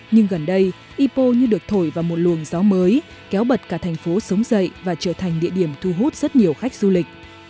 nhưng gần đây ipo như được thổi vào một luồng gió mới kéo bật cả thành phố sống dậy và trở thành địa điểm thu hút rất nhiều khách du lịch